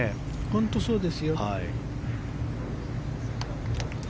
本当にそうですよ。